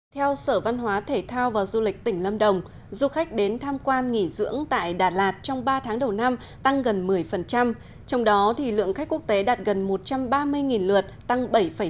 theo sở văn hóa thể thao và du lịch tỉnh lâm đồng du khách đến tham quan nghỉ dưỡng tại đà lạt trong ba tháng đầu năm tăng gần một mươi trong đó lượng khách quốc tế đạt gần một trăm ba mươi lượt tăng bảy tám